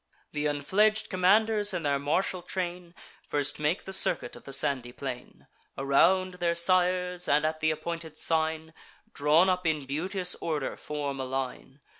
Th' unfledg'd commanders and their martial train First make the circuit of the sandy plain Around their sires, and, at th' appointed sign, Drawn up in beauteous order, form a line.